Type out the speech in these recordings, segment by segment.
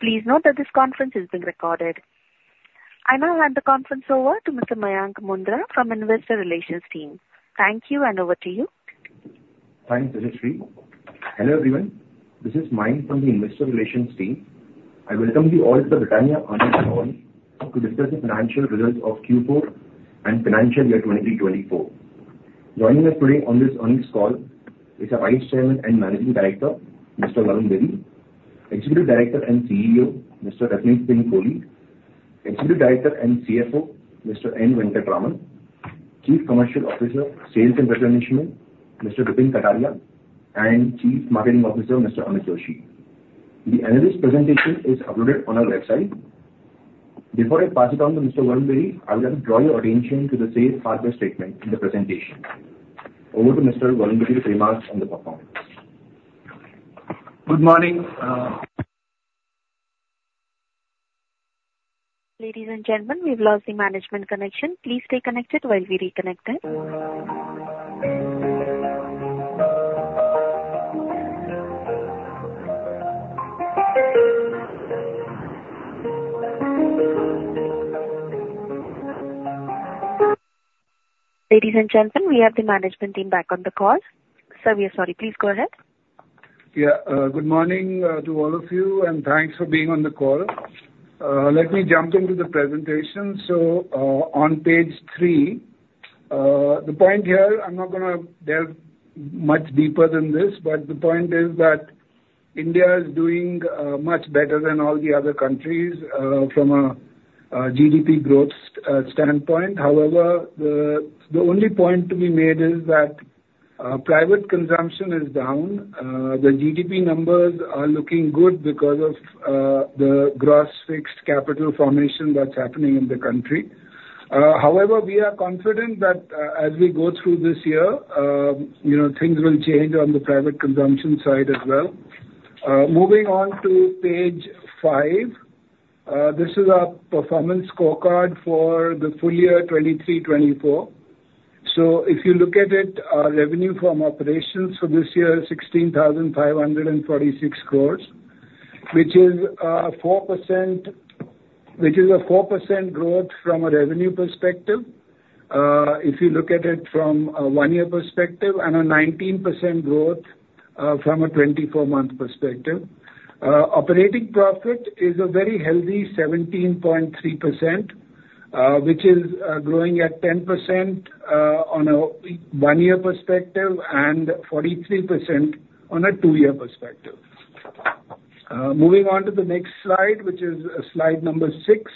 Please note that this conference is being recorded. I now hand the conference over to Mr. Mayank Mundra from Investor Relations team. Thank you, and over to you. Thanks, Srishti. Hello, everyone, this is Mayank from the Investor Relations team. I welcome you all to the Britannia earnings call to discuss the financial results of Q4 and financial year 2023-2024. Joining us today on this earnings call is our Vice Chairman and Managing Director, Mr. Varun Berry; Executive Director and CEO, Mr. Rajeet Singh Kohli; Executive Director and CFO, Mr. N. Venkataraman; Chief Commercial Officer, Sales and Customer Initiative, Mr. Vipin Kataria; and Chief Marketing Officer, Mr. Amit Doshi. The analyst presentation is uploaded on our website. Before I pass it on to Mr. Varun Berry, I would like to draw your attention to the safe harbor statement in the presentation. Over to Mr. Varun Berry's remarks on the performance. Good morning. Ladies and gentlemen, we've lost the management connection. Please stay connected while we reconnect them. Ladies and gentlemen, we have the management team back on the call. Sir, we are sorry. Please go ahead. Yeah, good morning to all of you, and thanks for being on the call. Let me jump into the presentation. So, on page three, the point here, I'm not gonna delve much deeper than this, but the point is that India is doing much better than all the other countries from a GDP growth standpoint. However, the only point to be made is that private consumption is down. The GDP numbers are looking good because of the gross fixed capital formation that's happening in the country. However, we are confident that as we go through this year, you know, things will change on the private consumption side as well. Moving on to page five. This is our performance scorecard for the full year 2023-2024. So if you look at it, our revenue from operations for this year is 16,546 crore, which is, four percent... which is a 4% growth from a revenue perspective, if you look at it from a one-year perspective, and a 19% growth, from a 24-month perspective. Operating profit is a very healthy 17.3%, which is, growing at 10%, on a one-year perspective and 43% on a two-year perspective. Moving on to the next slide, which is slide number six,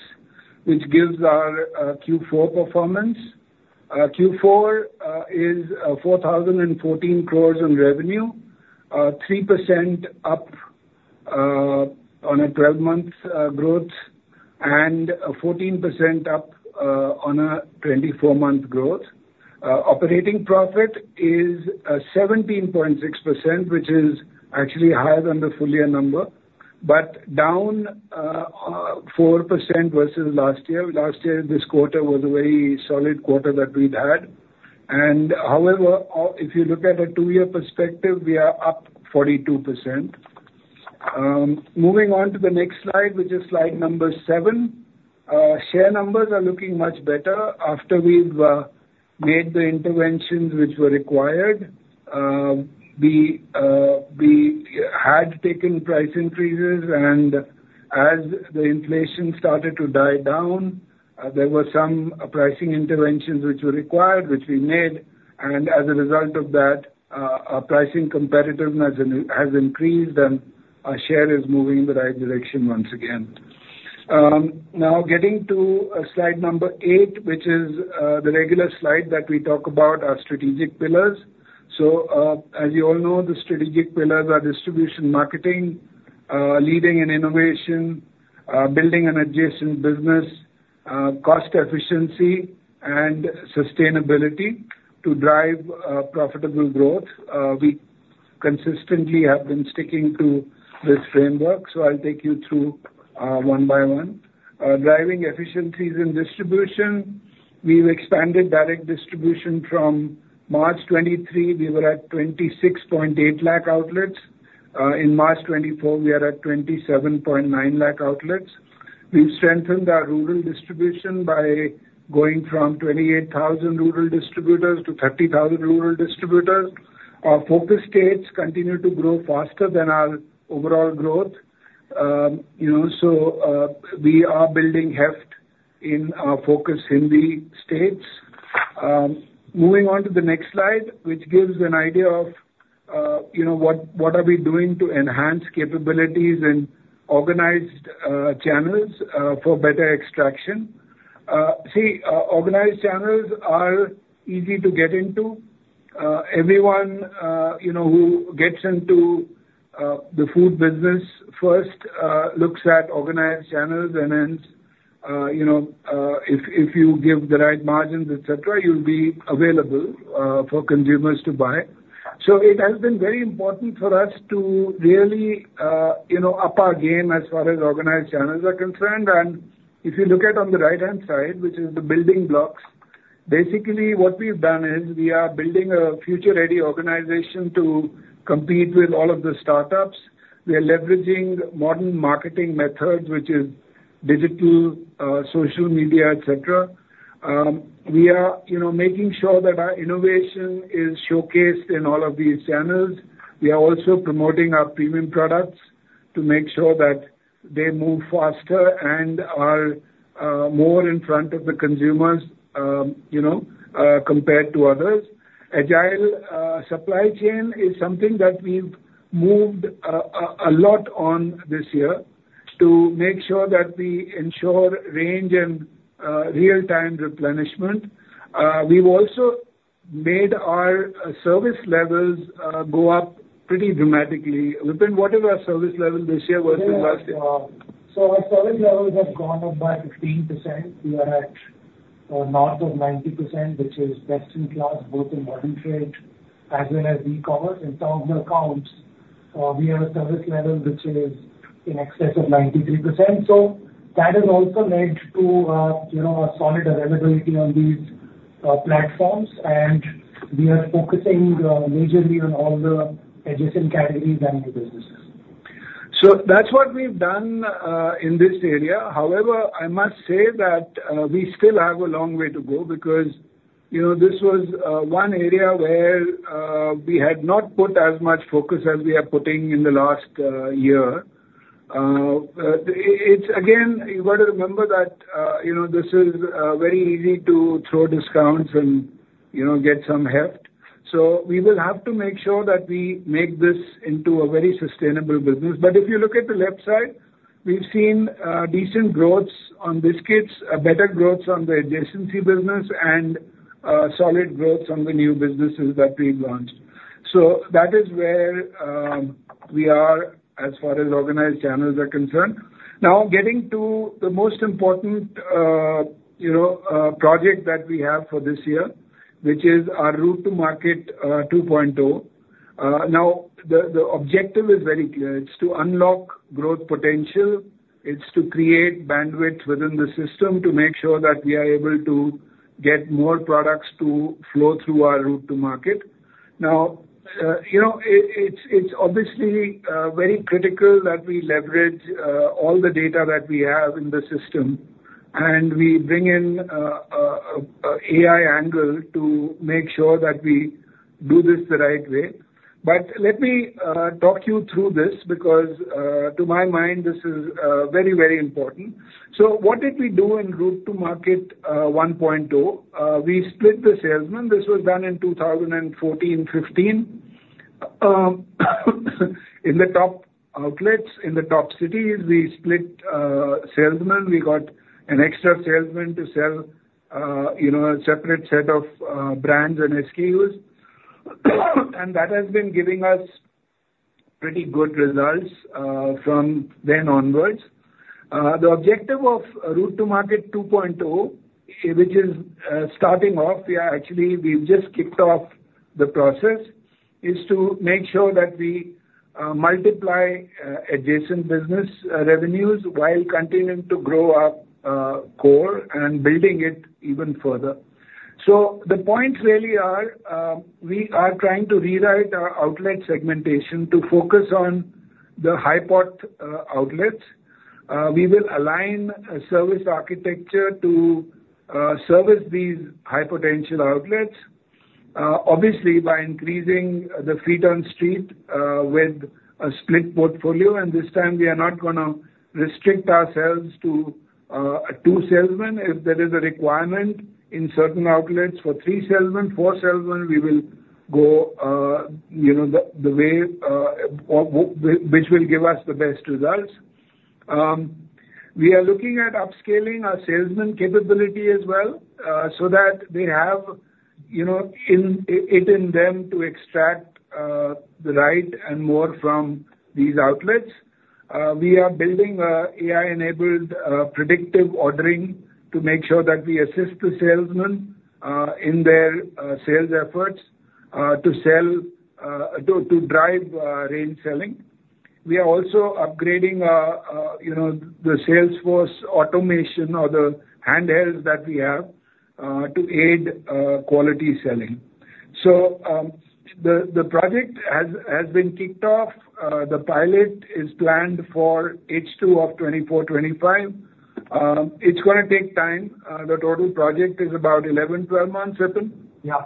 which gives our, Q4 performance. Q4, is, four thousand and fourteen crores in revenue, three percent up, on a 12-month, growth and 14% up, on a 24-month growth. Operating profit is 17.6%, which is actually higher than the full year number, but down 4% versus last year. Last year, this quarter was a very solid quarter that we'd had. However, if you look at a two-year perspective, we are up 42%. Moving on to the next slide, which is slide number seven. Share numbers are looking much better after we've made the interventions which were required. We had taken price increases, and as the inflation started to die down, there were some pricing interventions which were required, which we made, and as a result of that, our pricing competitiveness has increased, and our share is moving in the right direction once again. Now getting to slide number eight, which is the regular slide that we talk about our strategic pillars. So, as you all know, the strategic pillars are distribution marketing, leading in innovation, building an adjacent business, cost efficiency and sustainability to drive profitable growth. We consistently have been sticking to this framework, so I'll take you through one by one. Driving efficiencies in distribution. We've expanded direct distribution from March 2023, we were at 26.8 lakh outlets. In March 2024, we are at 27.9 lakh outlets. We've strengthened our rural distribution by going from 28,000 rural distributors to 30,000 rural distributors. Our focus states continue to grow faster than our overall growth. You know, so we are building heft in our focus Hindi states. Moving on to the next slide, which gives an idea of, you know, what we are doing to enhance capabilities in organized channels for better extraction. See, organized channels are easy to get into. Everyone, you know, who gets into the food business first looks at organized channels and then, you know, if you give the right margins, et cetera, you'll be available for consumers to buy. So it has been very important for us to really, you know, up our game as far as organized channels are concerned. And if you look at on the right-hand side, which is the building blocks. Basically, what we've done is we are building a future-ready organization to compete with all of the startups. We are leveraging modern marketing methods, which is digital, social media, et cetera. We are, you know, making sure that our innovation is showcased in all of these channels. We are also promoting our premium products to make sure that they move faster and are more in front of the consumers, you know, compared to others. Agile supply chain is something that we've moved a lot on this year to make sure that we ensure range and real-time replenishment. We've also made our service levels go up pretty dramatically. Within what are our service level this year versus last year? Our service levels have gone up by 15%. We are at, north of 90%, which is best in class, both in B2B trade as well as e-commerce. In terms of accounts, we have a service level which is in excess of 93%. So that has also led to, you know, a solid availability on these, platforms, and we are focusing, majorly on all the adjacent categories and new businesses. So that's what we've done in this area. However, I must say that we still have a long way to go because, you know, this was one area where we had not put as much focus as we are putting in the last year. It, it's again, you've got to remember that, you know, this is very easy to throw discounts and, you know, get some heft. So we will have to make sure that we make this into a very sustainable business. But if you look at the left side, we've seen decent growths on biscuits, better growths on the adjacency business and solid growths on the new businesses that we've launched. So that is where we are as far as organized channels are concerned. Now, getting to the most important, you know, project that we have for this year, which is our Route-To-Market 2.0. Now, the objective is very clear. It's to unlock growth potential. It's to create bandwidth within the system to make sure that we are able to get more products to flow through our Route-To-Market. Now, you know, it's obviously very critical that we leverage all the data that we have in the system, and we bring in a AI angle to make sure that we do this the right way. But let me talk you through this, because to my mind, this is very, very important. So what did we do in Route-To-Market 1.0? We split the salesman. This was done in 2014-15. In the top outlets, in the top cities, we split salesmen. We got an extra salesman to sell, you know, a separate set of brands and SKUs. And that has been giving us pretty good results from then onwards. The objective of Route-To-Market 2.0, which is starting off, we are actually, we've just kicked off the process, is to make sure that we multiply adjacent business revenues while continuing to grow our core and building it even further. So the points really are, we are trying to rewrite our outlet segmentation to focus on the high-pot outlets. We will align a service architecture to service these high potential outlets, obviously, by increasing the feet on street with a split portfolio. And this time, we are not gonna restrict ourselves to a two salesman. If there is a requirement in certain outlets for three salesman, four salesman, we will go, you know, the way which will give us the best results. We are looking at upscaling our salesman capability as well, so that they have, you know, it in them to extract the right and more from these outlets. We are building an AI-enabled predictive ordering to make sure that we assist the salesmen in their sales efforts to sell to drive range selling. We are also upgrading, you know, the sales force automation or the handhelds that we have, to aid quality selling. So, the project has been kicked off. The pilot is planned for H2 of 2024-2025. It's gonna take time. The total project is about 11-12 months, Vipin? Yeah.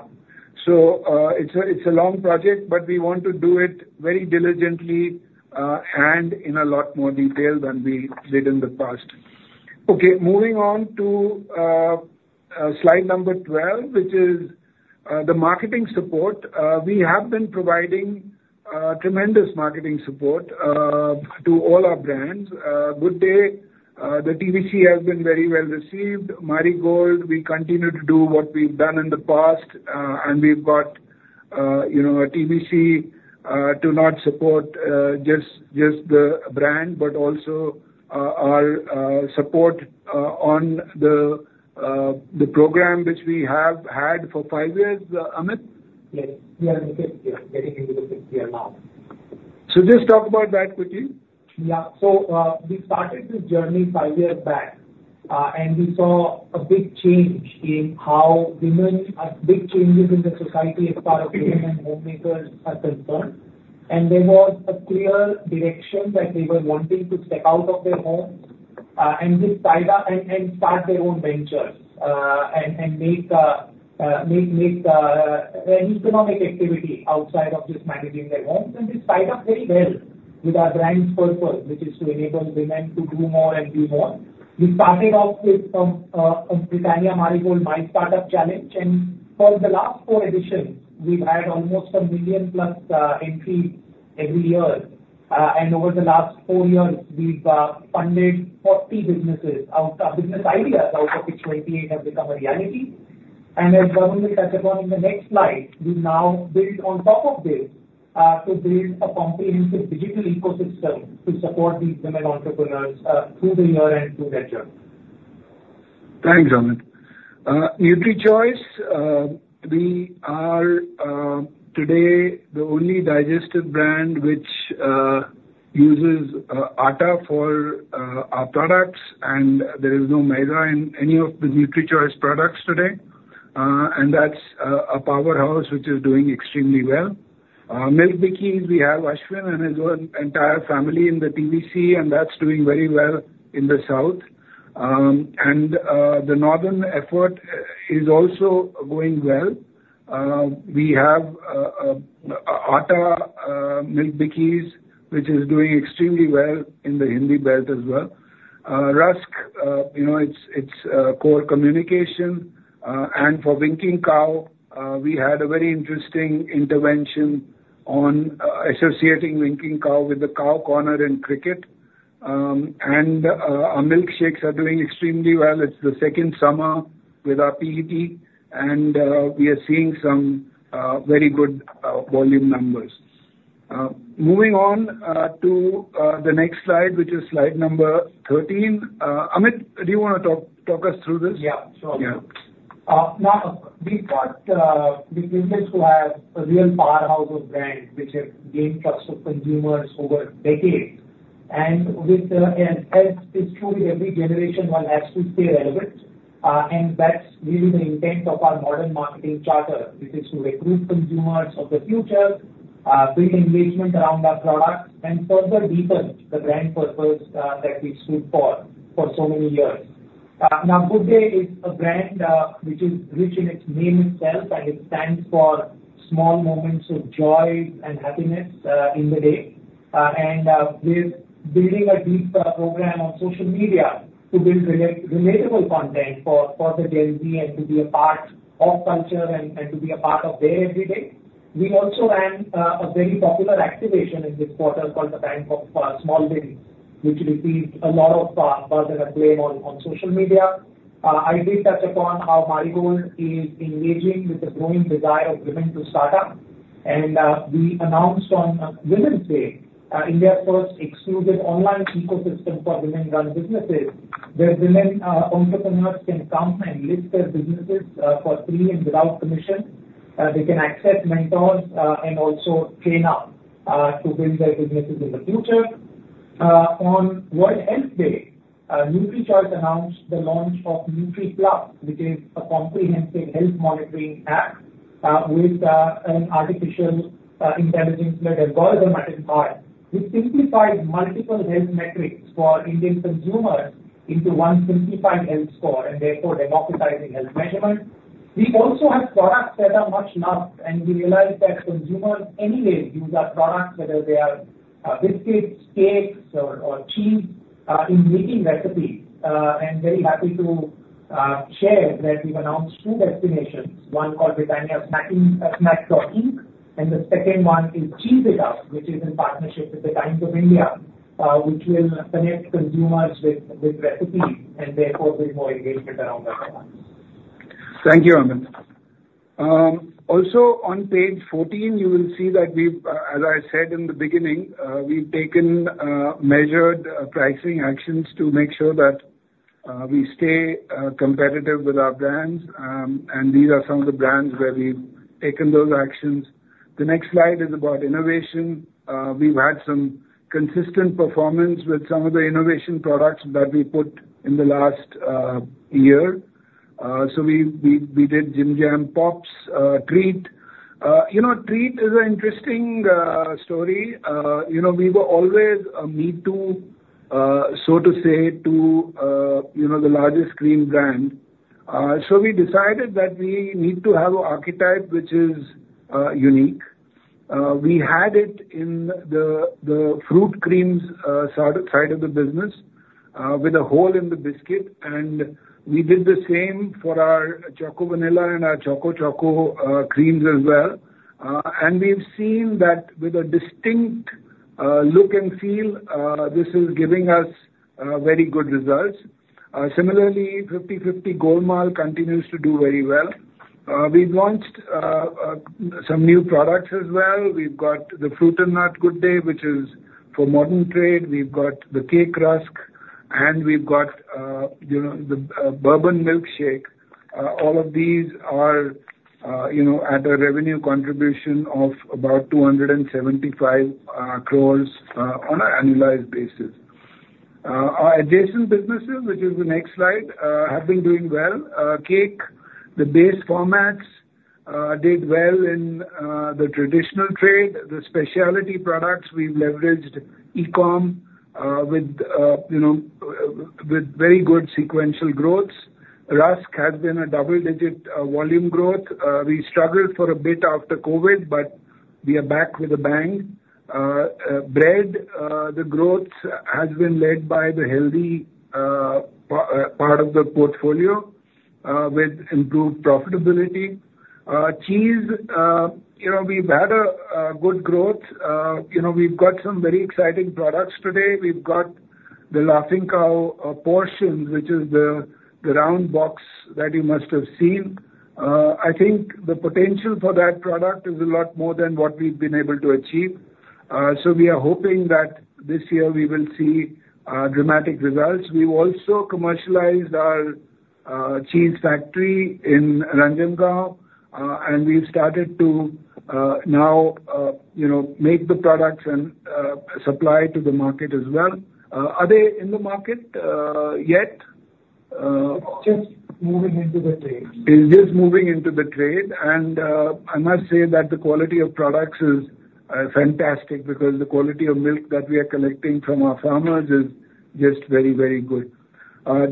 So, it's a long project, but we want to do it very diligently and in a lot more detail than we did in the past. Okay, moving on to slide number 12, which is the marketing support. We have been providing tremendous marketing support to all our brands. Good Day, the TVC has been very well received. Marie Gold, we continue to do what we've done in the past, and we've got, you know, a TVC to support not just the brand, but also our support on the program, which we have had for five years, Amit? Yes, we are in the fifth year, getting into the fifth year now. Just talk about that quickly.... Yeah, so, we started this journey five years back, and we saw a big change in how women, big changes in the society as far as women homemakers are concerned. And there was a clear direction that they were wanting to step out of their home, and just tie it up and start their own ventures, and make an economic activity outside of just managing their homes. And this tied up very well with our brand's purpose, which is to enable women to do more and be more. We started off with a Britannia Marie Gold My Startup Challenge, and for the last four editions, we've had almost a million plus entries every year. Over the last four years, we've funded 40 businesses out of business ideas, out of which 28 have become a reality. As Varun will touch upon in the next slide, we've now built on top of this, to build a comprehensive digital ecosystem to support these women entrepreneurs, through the year and through their journey. Thanks, Amit. NutriChoice, we are today the only digestive brand which uses atta for our products, and there is no maida in any of the NutriChoice products today. And that's a powerhouse which is doing extremely well. Milk Bikis, we have Ashwin and his own entire family in the DVC, and that's doing very well in the south. And the northern effort is also going well. We have Atta Milk Bikis, which is doing extremely well in the Hindi belt as well. Rusk, you know, it's core communication. And for Winkin' Cow, we had a very interesting intervention on associating Winkin' Cow with the Cow Corner in cricket. And our milkshakes are doing extremely well. It's the second summer with our PET, and we are seeing some very good volume numbers. Moving on to the next slide, which is slide number 13. Amit, do you wanna talk us through this? Yeah, sure. Yeah. Now, we've got the privilege to have a real powerhouse of brands which have gained trust of consumers over decades, and it's true, every generation, one has to stay relevant. That's really the intent of our modern marketing charter, which is to recruit consumers of the future, build engagement around our products, and further deepen the brand purpose that we stood for for so many years. Now Good Day is a brand which is rich in its name itself, and it stands for small moments of joy and happiness in the day. We're building a deep program on social media to build relatable content for the daily and to be a part of culture and to be a part of their everyday. We also ran a very popular activation in this quarter called the Bank of Small Dreams, which received a lot of buzz and acclaim on social media. I did touch upon how Marie Gold is engaging with the growing desire of women to start up. We announced on Women's Day India's first exclusive online ecosystem for women-run businesses, where women entrepreneurs can come and list their businesses for free and without commission. They can access mentors and also train up to build their businesses in the future. On World Health Day NutriChoice announced the launch of NutriPlus, which is a comprehensive health monitoring app with an artificial intelligence-led algorithm at its heart. We've simplified multiple health metrics for Indian consumers into one simplified health score, and therefore democratizing health measurement. We also have products that are much loved, and we realize that consumers anyway use our products, whether they are biscuits, cakes, or cheese in making recipes. I'm very happy to share that we've announced two destinations, one called Britannia SnackInc., and the second one is Cheese It Up, which is in partnership with the Times of India, which will connect consumers with recipes and therefore build more engagement around our brands. Thank you, Amit. Also, on page 14, you will see that we've, as I said in the beginning, we've taken, measured, pricing actions to make sure that, we stay, competitive with our brands. These are some of the brands where we've taken those actions. The next slide is about innovation. We've had some consistent performance with some of the innovation products that we put in the last, year. We did Jim Jam Pops, Treat. You know, Treat is an interesting, story. You know, we were always a me-too, so to say, to, you know, the largest cream brand. We decided that we need to have an archetype which is, unique. We had it in the fruit creams side of the business, with a hole in the biscuit, and we did the same for our Choco Vanilla and our Choco Choco creams as well. And we've seen that with a distinct look and feel, this is giving us very good results. Similarly, 50-50 Golmaal continues to do very well. We've launched some new products as well. We've got the Fruit-and-Nut Good Day, which is for modern trade. We've got the Cake Rusk. And we've got, you know, the bourbon milkshake. All of these are, you know, at a revenue contribution of about 275 crore on an annualized basis. Our adjacent businesses, which is the next slide, have been doing well. Cake, the base formats did well in the traditional trade. The specialty products, we leveraged e-com with, you know, with very good sequential growths. Rusk has been a double-digit volume growth. We struggled for a bit after COVID, but we are back with a bang. Bread, the growth has been led by the healthy part of the portfolio with improved profitability. Cheese, you know, we've had a good growth. You know, we've got some very exciting products today. We've got The Laughing Cow portions, which is the round box that you must have seen. I think the potential for that product is a lot more than what we've been able to achieve. So we are hoping that this year we will see dramatic results. We've also commercialized our cheese factory in Ranjangaon, and we've started to now, you know, make the products and supply to the market as well. Are they in the market yet? It's just moving into the trade. It's just moving into the trade, and I must say that the quality of products is fantastic, because the quality of milk that we are collecting from our farmers is just very, very good.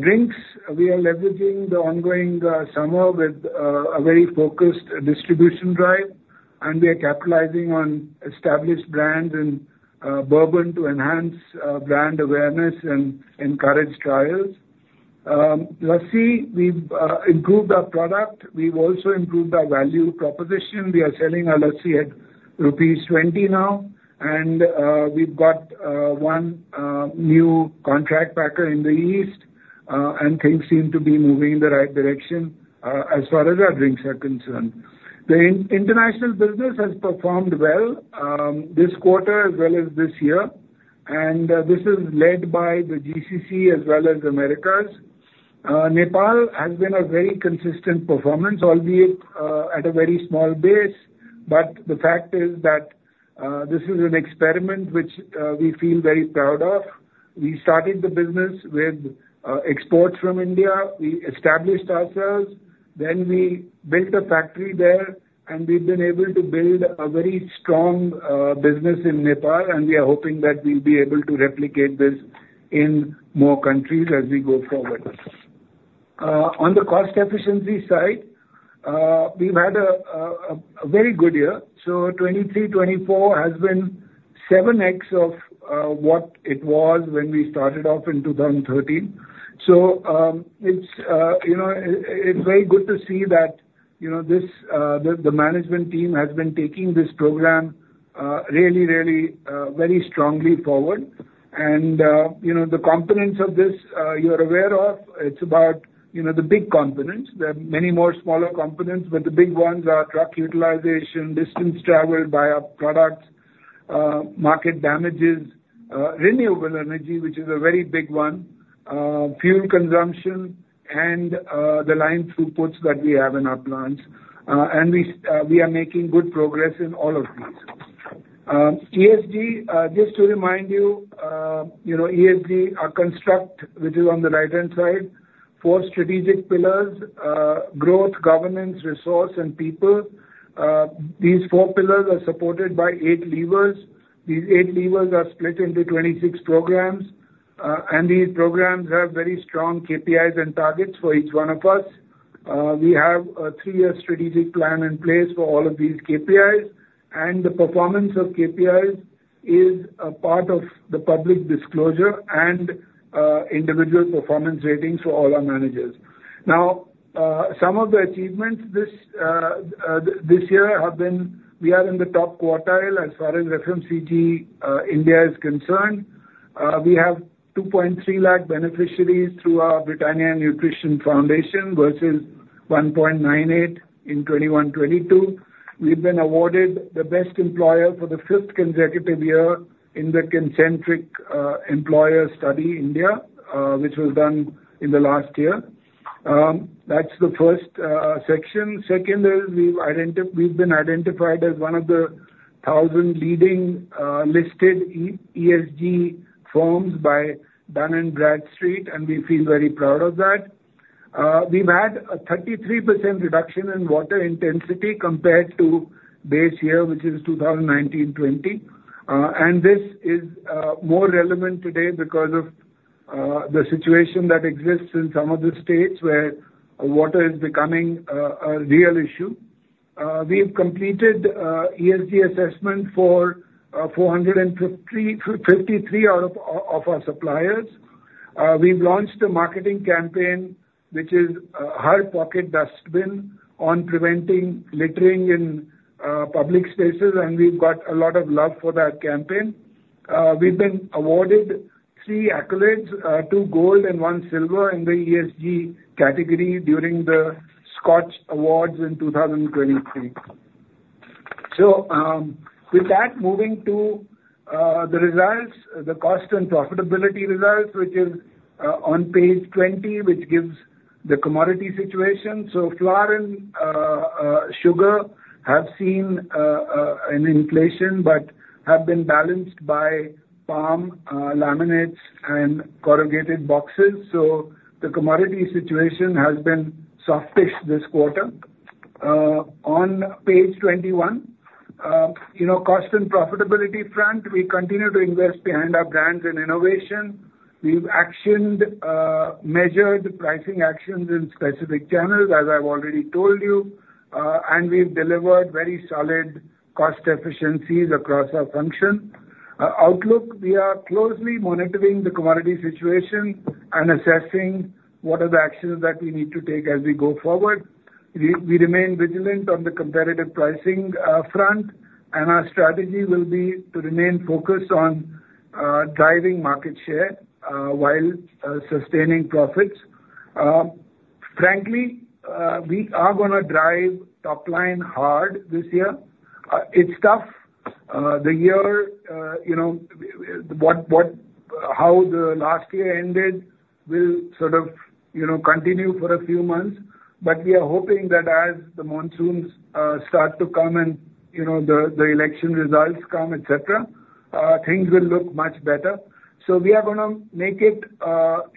Drinks, we are leveraging the ongoing summer with a very focused distribution drive, and we are capitalizing on established brands and Bourbon to enhance brand awareness and encourage trials. Lassi, we've improved our product. We've also improved our value proposition. We are selling our lassi at rupees 20 now, and we've got one new contract packer in the East, and things seem to be moving in the right direction, as far as our drinks are concerned. The international business has performed well this quarter as well as this year, and this is led by the GCC as well as Americas. Nepal has been a very consistent performance, albeit at a very small base. But the fact is that this is an experiment which we feel very proud of. We started the business with exports from India. We established ourselves, then we built a factory there, and we've been able to build a very strong business in Nepal, and we are hoping that we'll be able to replicate this in more countries as we go forward. On the cost efficiency side, we've had a very good year. So 2023-2024 has been 7x of what it was when we started off in 2013. So, it's very good to see that, you know, the management team has been taking this program really, really very strongly forward. And, you know, the components of this, you're aware of, it's about, you know, the big components. There are many more smaller components, but the big ones are truck utilization, distance traveled by our products, market damages, renewable energy, which is a very big one, fuel consumption, and the line throughputs that we have in our plants. And we are making good progress in all of these. ESG, just to remind you, you know, ESG, our construct, which is on the right-hand side, four strategic pillars: growth, governance, resource, and people. These four pillars are supported by eight levers. These eight levers are split into 26 programs, and these programs have very strong KPIs and targets for each one of us. We have a three-year strategic plan in place for all of these KPIs, and the performance of KPIs is a part of the public disclosure and individual performance ratings for all our managers. Now, some of the achievements this year have been: we are in the top quartile as far as FMCG India is concerned. We have 2.3 lakh beneficiaries through our Britannia Nutrition Foundation, versus 1.98 in 2021, 2022. We've been awarded the best employer for the fifth consecutive year in the Kincentric Employer Study, India, which was done in the last year. That's the first section. Second, we've been identified as one of the 1,000 leading listed ESG firms by Dun & Bradstreet, and we feel very proud of that. We've had a 33% reduction in water intensity compared to base year, which is 2019-20. And this is more relevant today because of the situation that exists in some of the states where water is becoming a real issue. We've completed ESG assessment for 453 out of our suppliers. We've launched a marketing campaign, which is Har Pocket Ab Dustbin, on preventing littering in public spaces, and we've got a lot of love for that campaign. We've been awarded three accolades, two gold and one silver, in the ESG category during the SKOCH Awards in 2023. So, with that, moving to the results, the cost and profitability results, which is on page 20, which gives the commodity situation. So flour and sugar have seen an inflation, but have been balanced by palm, laminates and corrugated boxes. So the commodity situation has been softish this quarter. On page 21, you know, cost and profitability front, we continue to invest behind our brands and innovation. We've actioned measured pricing actions in specific channels, as I've already told you, and we've delivered very solid cost efficiencies across our function. Our outlook, we are closely monitoring the commodity situation and assessing what are the actions that we need to take as we go forward. We, we remain vigilant on the competitive pricing front, and our strategy will be to remain focused on driving market share while sustaining profits. Frankly, we are gonna drive top line hard this year. It's tough. The year, you know, what, what, how the last year ended will sort of, you know, continue for a few months. But we are hoping that as the monsoons start to come and, you know, the, the election results come, et cetera, things will look much better. So we are gonna make it,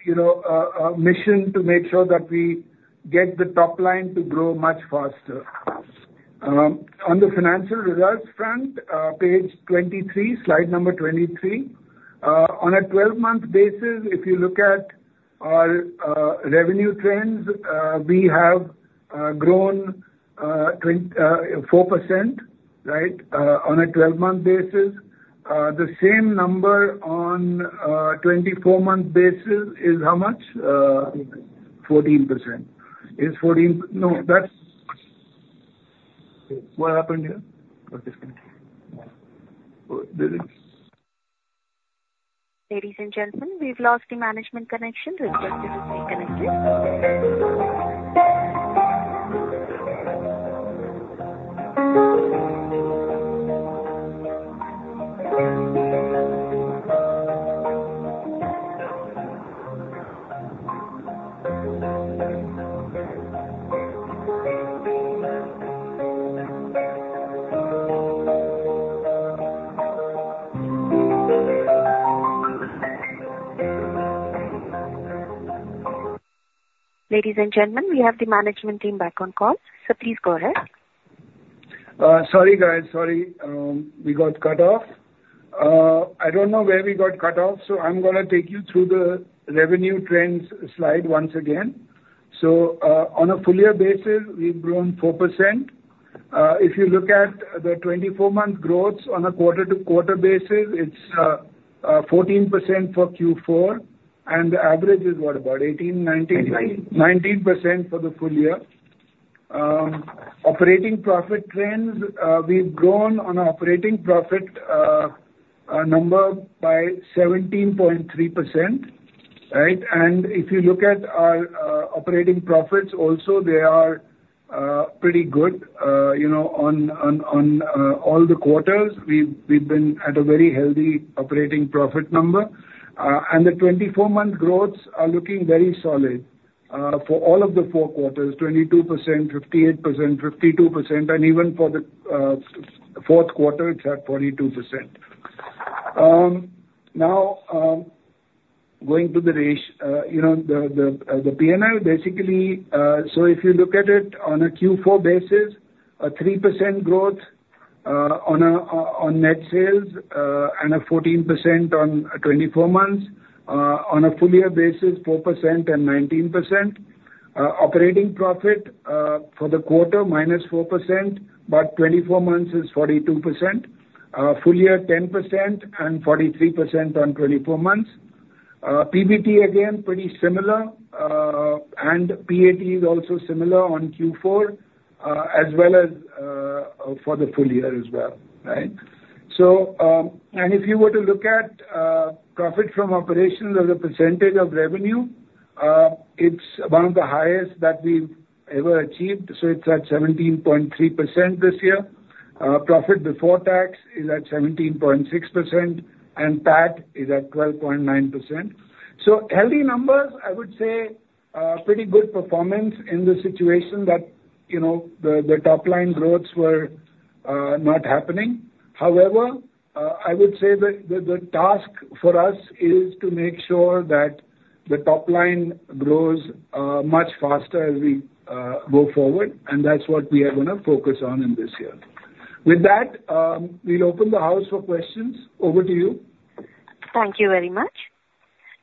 you know, a, a mission to make sure that we get the top line to grow much faster. On the financial results front, page 23, slide number 23. On a 12-month basis, if you look at our revenue trends, we have grown 24%, right, on a 12-month basis. The same number on a 24-month basis is how much? Fourteen percent. 14%. Is 14- No, that's... What happened here? Got disconnected. Uh, this is- Ladies and gentlemen, we've lost the management connection. We'll just give a few minutes, please. Ladies and gentlemen, we have the management team back on call. So please go ahead. Sorry, guys, sorry, we got cut off. I don't know where we got cut off, so I'm gonna take you through the revenue trends slide once again. So, on a full year basis, we've grown 4%. If you look at the 24-month growth on a quarter-to-quarter basis, it's 14% for Q4, and the average is what? About 18, 19- Nineteen. 19% for the full year. Operating profit trends, we've grown on operating profit number by 17.3%, right? And if you look at our operating profits also, they are pretty good. You know, on all the quarters, we've been at a very healthy operating profit number. And the 24-month growths are looking very solid for all of the four quarters, 22%, 58%, 52%, and even for the fourth quarter, it's at 42%. Now, going to the you know, the, the, the P&L, basically, so if you look at it on a Q4 basis, a 3% growth on net sales, and a 14% on 24 months. On a full year basis, 4% and 19%. Operating profit for the quarter, -4%, but 24 months is 42%. Full year, 10%, and 43% on 24 months. PBT, again, pretty similar, and PAT is also similar on Q4, as well as for the full year as well, right? So, and if you were to look at profit from operations as a percentage of revenue, it's among the highest that we've ever achieved. So it's at 17.3% this year. Profit before tax is at 17.6%, and PAT is at 12.9%. So healthy numbers, I would say, pretty good performance in the situation that, you know, the top line growths were not happening. However, I would say that the task for us is to make sure that the top line grows much faster as we go forward, and that's what we are gonna focus on in this year. With that, we'll open the house for questions. Over to you. Thank you very much.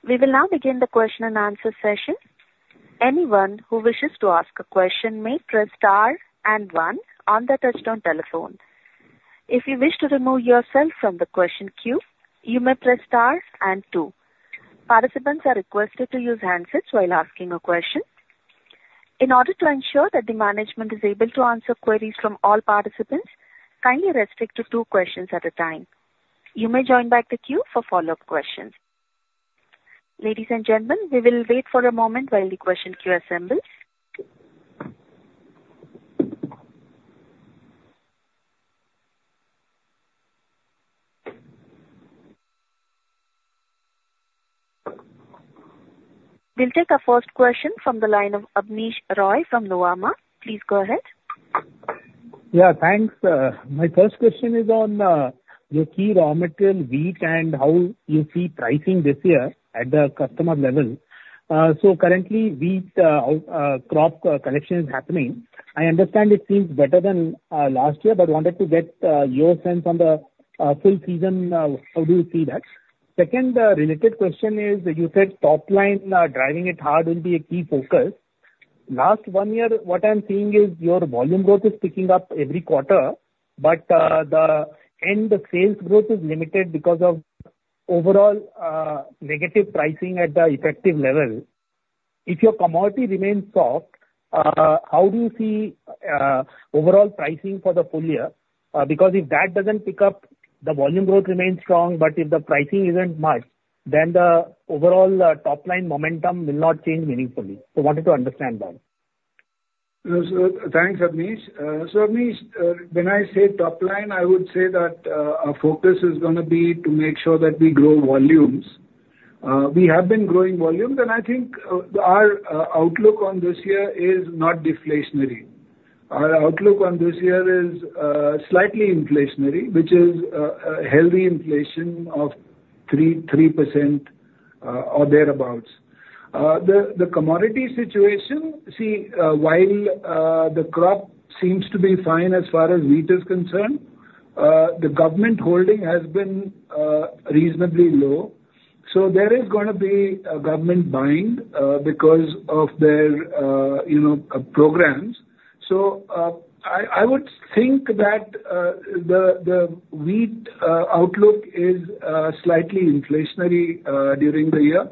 We will now begin the question and answer session. Anyone who wishes to ask a question may press star and one on their touchtone telephone. If you wish to remove yourself from the question queue, you may press star and two. Participants are requested to use handsets while asking a question. In order to ensure that the management is able to answer queries from all participants, kindly restrict to two questions at a time. You may join back the queue for follow-up questions.... Ladies and gentlemen, we will wait for a moment while the question queue assembles. We'll take our first question from the line of Abneesh Roy from Nuvama. Please go ahead. Yeah, thanks. My first question is on your key raw material, wheat, and how you see pricing this year at the customer level? So currently, wheat crop collection is happening. I understand it seems better than last year, but wanted to get your sense on the full season. How do you see that? Second, related question is, you said top line driving it hard will be a key focus. Last one year, what I'm seeing is your volume growth is picking up every quarter, but the net sales growth is limited because of overall negative pricing at the effective level. If your commodity remains soft, how do you see overall pricing for the full year? Because if that doesn't pick up, the volume growth remains strong, but if the pricing isn't much, then the overall, top-line momentum will not change meaningfully. So wanted to understand that. So thanks, Abneesh. So Abneesh, when I say top line, I would say that our focus is gonna be to make sure that we grow volumes. We have been growing volumes, and I think our outlook on this year is not deflationary. Our outlook on this year is slightly inflationary, which is a healthy inflation of 3%-3% or thereabouts. The commodity situation, see, while the crop seems to be fine as far as wheat is concerned, the government holding has been reasonably low, so there is gonna be a government buying because of their you know programs. So I would think that the wheat outlook is slightly inflationary during the year.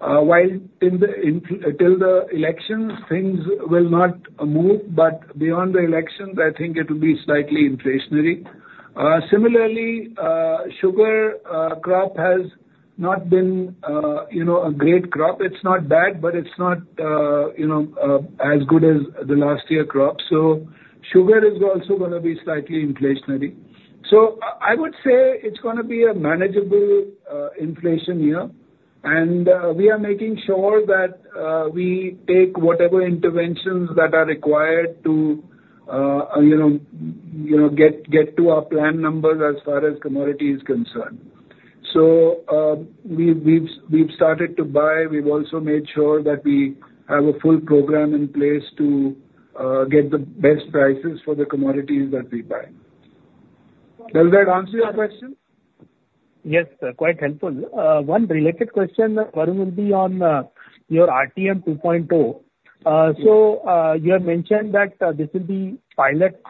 While in the infl... Until the elections, things will not move, but beyond the elections, I think it will be slightly inflationary. Similarly, sugar crop has not been, you know, a great crop. It's not bad, but it's not, you know, as good as the last year crop. So sugar is also gonna be slightly inflationary. So I would say it's gonna be a manageable inflation year, and we are making sure that we take whatever interventions that are required to, you know, get to our planned numbers as far as commodity is concerned. So we've started to buy. We've also made sure that we have a full program in place to get the best prices for the commodities that we buy. Does that answer your question? Yes, quite helpful. One related question, Varun, will be on your RTM 2.0. So, you have mentioned that this will be pilot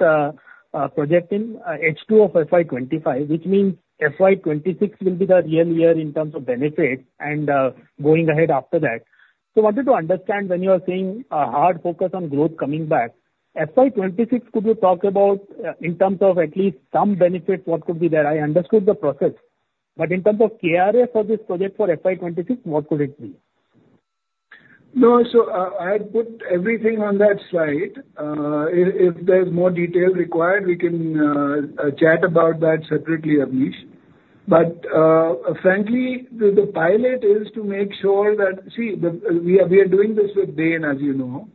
project in H2 of FY 2025, which means FY 2026 will be the real year in terms of benefit and going ahead after that. So wanted to understand, when you are saying a hard focus on growth coming back, FY 2026, could you talk about in terms of at least some benefits, what could be there? I understood the process, but in terms of KRAs for this project for FY 2026, what could it be? No. So, I put everything on that slide. If there's more detail required, we can chat about that separately, Abneesh. But frankly, the pilot is to make sure that... See, we are doing this with Bain, as you know,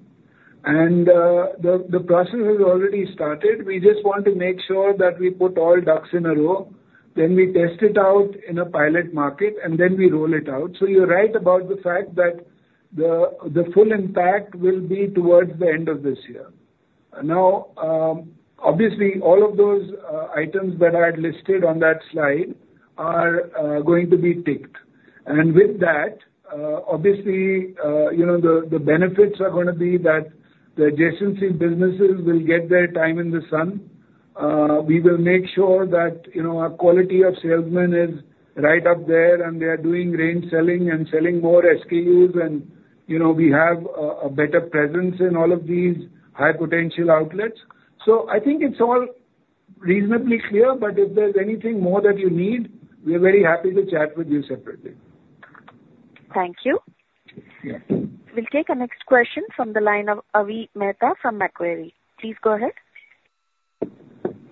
and the process has already started. We just want to make sure that we put all ducks in a row, then we test it out in a pilot market, and then we roll it out. So you're right about the fact that the full impact will be towards the end of this year. Now, obviously, all of those items that I had listed on that slide are going to be ticked. And with that, obviously, you know, the benefits are gonna be that the adjacency businesses will get their time in the sun. We will make sure that, you know, our quality of salesmen is right up there, and they are doing range selling and selling more SKUs, and, you know, we have a better presence in all of these high-potential outlets. So I think it's all reasonably clear, but if there's anything more that you need, we are very happy to chat with you separately. Thank you. Yes. We'll take our next question from the line of Avi Mehta from Macquarie. Please go ahead.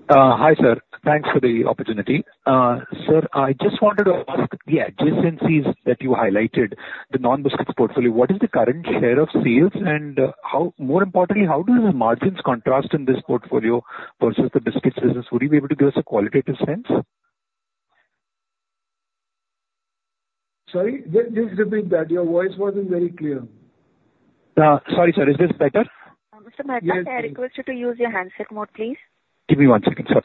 Hi, sir. Thanks for the opportunity. Sir, I just wanted to ask, the adjacencies that you highlighted, the non-biscuits portfolio, what is the current share of sales? And, more importantly, how do the margins contrast in this portfolio versus the biscuits business? Would you be able to give us a qualitative sense? Sorry, just, just repeat that. Your voice wasn't very clear. Sorry, sir. Is this better? Mr. Mehta, can I request you to use your handset mode, please? Give me one second, sir.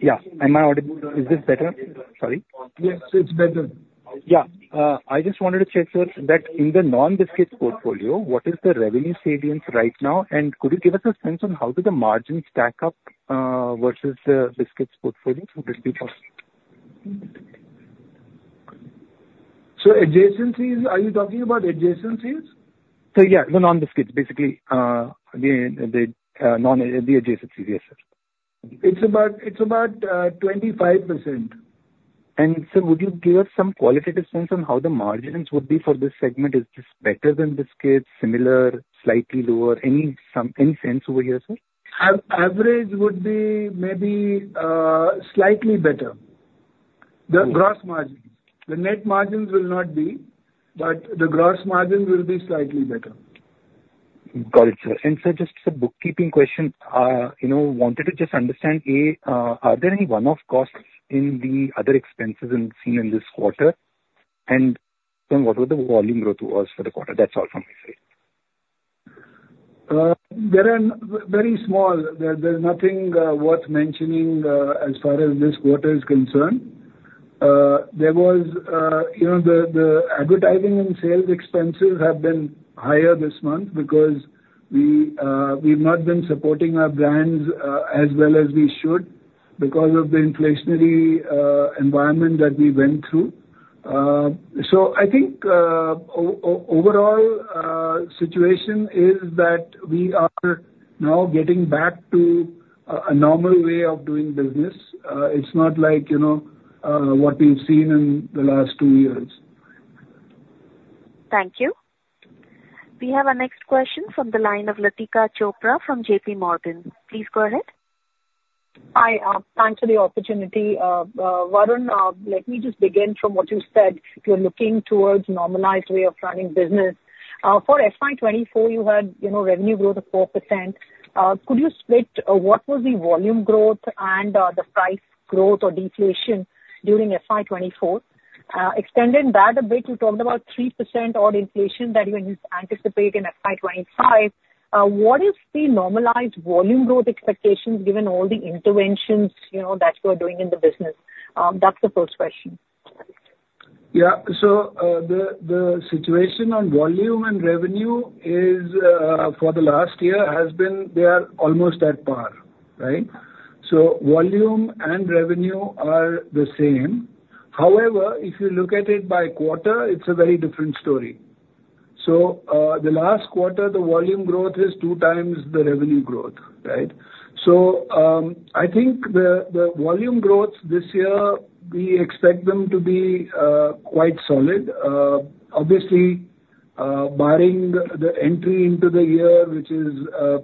Yeah, am I audible...? Is this better? Sorry. Yes, it's better. Yeah. I just wanted to check, sir, that in the non-biscuits portfolio, what is the revenue cadence right now? And could you give us a sense on how do the margins stack up, versus the biscuits portfolio for this business? Adjacencies, are you talking about adjacencies? So yeah, the non-biscuits, basically, the adjacencies. Yes, sir.... It's about, it's about, 25%. So would you give us some qualitative sense on how the margins would be for this segment? Is this better than biscuits, similar, slightly lower? Any sense over here, sir? Average would be maybe slightly better. The gross margins. The net margins will not be, but the gross margins will be slightly better. Got it, sir. And sir, just a bookkeeping question. You know, wanted to just understand, A, are there any one-off costs in the other expenses incurred in this quarter? And then what were the volume growth was for the quarter? That's all from my side. There are no very small. There's nothing worth mentioning as far as this quarter is concerned. There was, you know, the advertising and sales expenses have been higher this month because we've not been supporting our brands as well as we should because of the inflationary environment that we went through. So I think overall situation is that we are now getting back to a normal way of doing business. It's not like, you know, what we've seen in the last two years. Thank you. We have our next question from the line of Latika Chopra from JPMorgan. Please go ahead. Hi, thanks for the opportunity. Varun, let me just begin from what you said. You're looking towards normalized way of running business. For FY 2024, you had, you know, revenue growth of 4%. Could you split, what was the volume growth and, the price growth or deflation during FY 2024? Extending that a bit, you talked about 3% odd inflation that you anticipate in FY 2025. What is the normalized volume growth expectations, given all the interventions, you know, that you are doing in the business? That's the first question. Yeah. So, the situation on volume and revenue is, for the last year has been they are almost at par, right? So volume and revenue are the same. However, if you look at it by quarter, it's a very different story. So, the last quarter, the volume growth is two times the revenue growth, right? So, I think the volume growth this year, we expect them to be, quite solid. Obviously, barring the entry into the year, which is,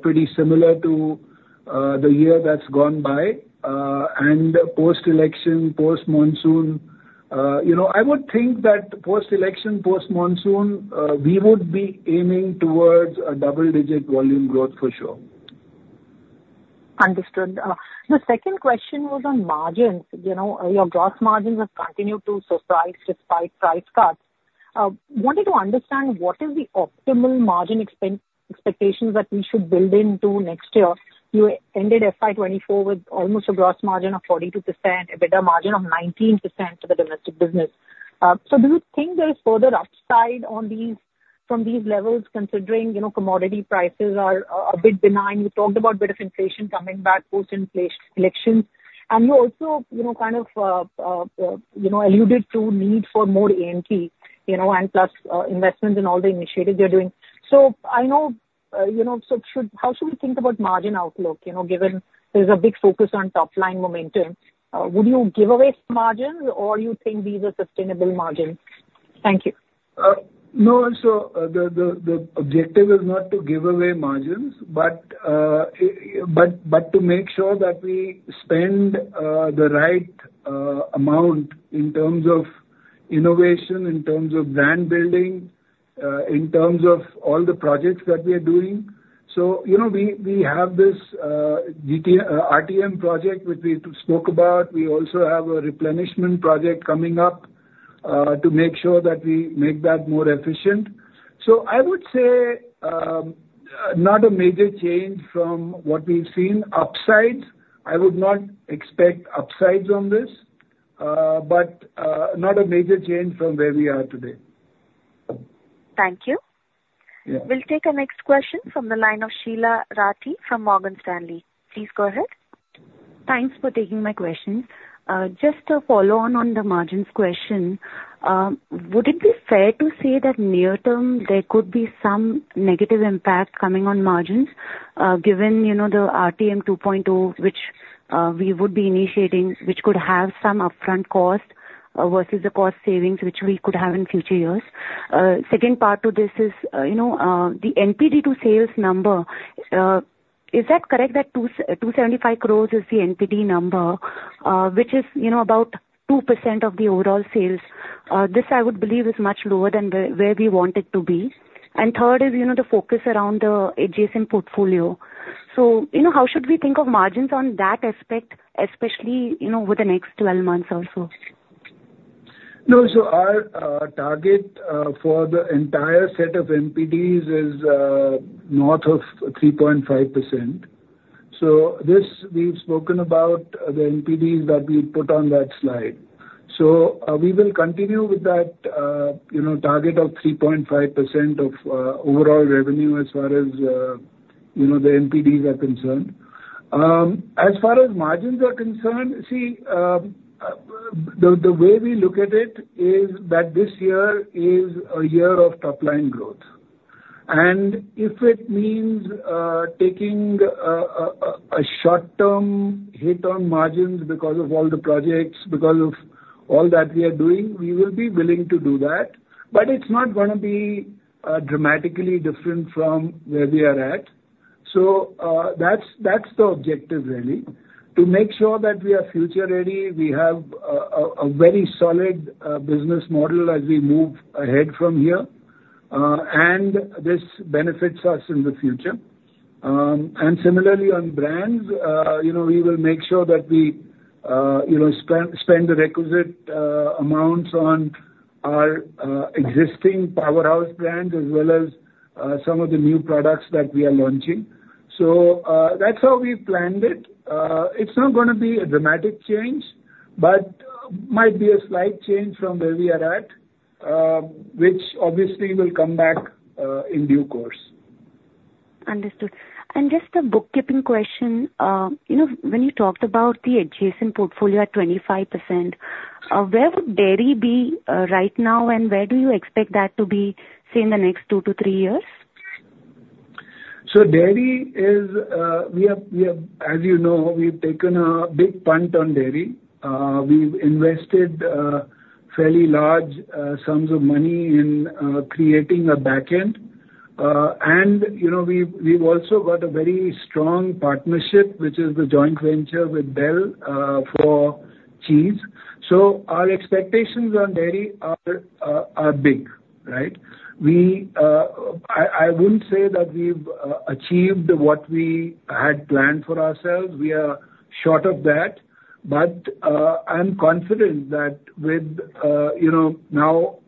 pretty similar to, the year that's gone by, and post-election, post-monsoon. You know, I would think that post-election, post-monsoon, we would be aiming towards a double-digit volume growth for sure. Understood. The second question was on margins. You know, your gross margins have continued to surprise despite price cuts. Wanted to understand what is the optimal margin expectations that we should build into next year? You ended FY 2024 with almost a gross margin of 42%, a better margin of 19% for the domestic business. So do you think there is further upside on these, from these levels, considering, you know, commodity prices are a bit benign? You talked about a bit of inflation coming back, post inflation, elections, and you also, you know, kind of, you know, alluded to need for more AMP, you know, and plus, investment in all the initiatives you're doing. So I know, you know, so how should we think about margin outlook? You know, given there's a big focus on top-line momentum, would you give away some margins, or you think these are sustainable margins? Thank you. No, so the objective is not to give away margins, but to make sure that we spend the right amount in terms of innovation, in terms of brand building, in terms of all the projects that we are doing. So, you know, we have this GT RTM project, which we spoke about. We also have a replenishment project coming up to make sure that we make that more efficient. So I would say, not a major change from what we've seen. Upsides, I would not expect upsides on this, but not a major change from where we are today. Thank you. Yeah. We'll take our next question from the line of Sheela Rathi from Morgan Stanley. Please go ahead. Thanks for taking my question. Just to follow on the margins question, would it be fair to say that near term there could be some negative impact coming on margins, given, you know, the RTM 2.0, which we would be initiating, which could have some upfront cost versus the cost savings which we could have in future years? Second part to this is, you know, the NPD to sales number, is that correct, that 275 crore is the NPD number, which is, you know, about 2% of the overall sales? This, I would believe, is much lower than where we want it to be. And third is, you know, the focus around the adjacent portfolio. You know, how should we think of margins on that aspect, especially, you know, over the next 12 months also? No, so our target for the entire set of NPDs is north of 3.5%. So this, we've spoken about the NPDs that we put on that slide. So, we will continue with that, you know, target of 3.5% of overall revenue as far as, you know, the NPDs are concerned. As far as margins are concerned, see, the way we look at it is that this year is a year of top-line growth. If it means taking a short-term hit on margins because of all the projects, because of all that we are doing, we will be willing to do that. But it's not gonna be dramatically different from where we are at. So, that's the objective, really. To make sure that we are future ready, we have a very solid business model as we move ahead from here, and this benefits us in the future. And similarly on brands, you know, we will make sure that we, you know, spend the requisite amounts on our existing powerhouse brands, as well as some of the new products that we are launching. So, that's how we've planned it. It's not gonna be a dramatic change, but might be a slight change from where we are at, which obviously will come back in due course. Understood. And just a bookkeeping question, you know, when you talked about the adjacent portfolio at 25%, where would dairy be, right now, and where do you expect that to be, say, in the next 2-3 years? So dairy is, we have. As you know, we've taken a big punt on dairy. We've invested fairly large sums of money in creating a back end. And, you know, we've also got a very strong partnership, which is the joint venture with Bel for cheese. So our expectations on dairy are big, right? We, I wouldn't say that we've achieved what we had planned for ourselves. We are short of that. But, I'm confident that with, you know, now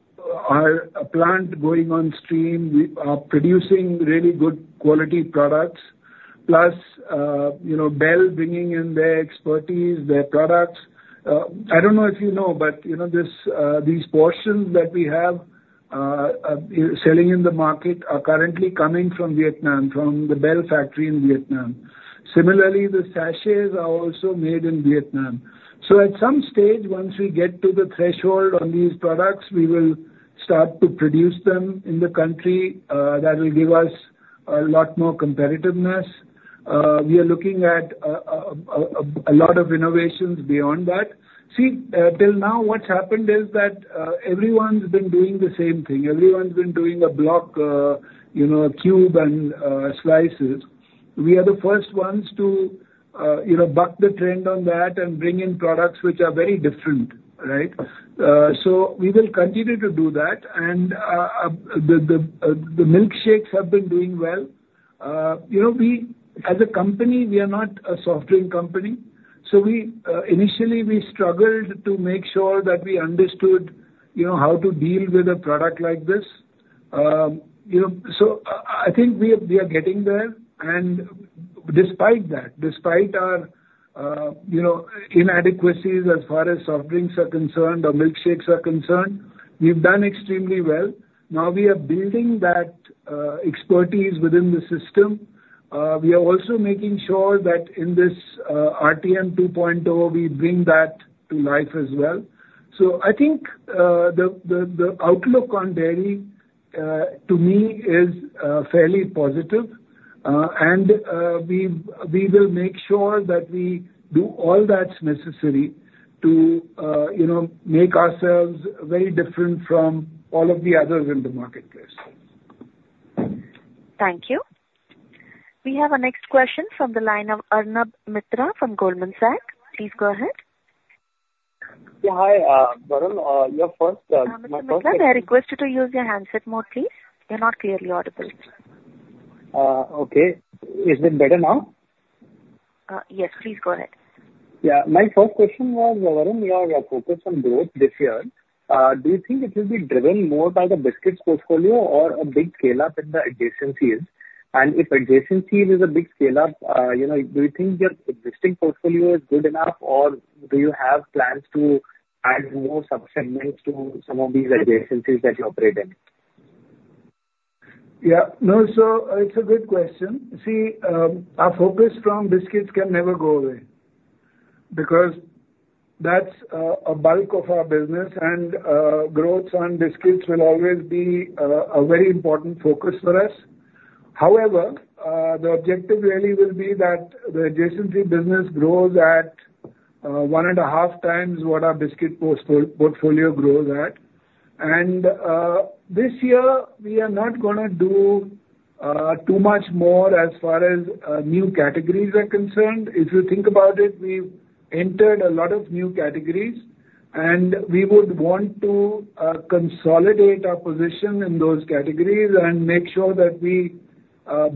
our plant going on stream, we are producing really good quality products, plus, you know, Bel bringing in their expertise, their products. I don't know if you know, but, you know, this, these portions that we have selling in the market are currently coming from Vietnam, from the Bel factory in Vietnam. Similarly, the sachets are also made in Vietnam. So at some stage, once we get to the threshold on these products, we will start to produce them in the country. That will give us a lot more competitiveness. We are looking at a lot of innovations beyond that. See, till now, what's happened is that, everyone's been doing the same thing. Everyone's been doing a block, you know, a cube and, slices. We are the first ones to, you know, buck the trend on that and bring in products which are very different, right? So we will continue to do that. And the milkshakes have been doing well. You know, we, as a company, we are not a soft drink company, so we initially struggled to make sure that we understood, you know, how to deal with a product like this. You know, so I think we are getting there. And despite that, despite our, you know, inadequacies as far as soft drinks are concerned or milkshakes are concerned, we've done extremely well. Now we are building that expertise within the system. We are also making sure that in this RTM 2.0, we bring that to life as well. So I think the outlook on dairy to me is fairly positive. We will make sure that we do all that's necessary to, you know, make ourselves very different from all of the others in the marketplace. Thank you. We have our next question from the line of Arnab Mitra from Goldman Sachs. Please go ahead. Yeah, hi, Varun. Your first, Mr. Mitra, we request you to use your handset mode, please. You're not clearly audible. Okay. Is it better now? Yes, please go ahead. Yeah. My first question was, Varun, you have a focus on growth this year. Do you think it will be driven more by the biscuits portfolio or a big scale-up in the adjacent fields? And if adjacent field is a big scale-up, you know, do you think your existing portfolio is good enough, or do you have plans to add more segments to some of these adjacent fields that you operate in? Yeah. No, so it's a good question. See, our focus from biscuits can never go away, because that's a bulk of our business, and growth on biscuits will always be a very important focus for us. However, the objective really will be that the adjacency business grows at one and a half times what our biscuit portfolio grows at. And this year we are not gonna do too much more as far as new categories are concerned. If you think about it, we've entered a lot of new categories, and we would want to consolidate our position in those categories and make sure that we